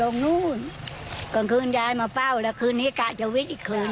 โอ้โหเครื่องมือทำไหนก็จะนอนคุม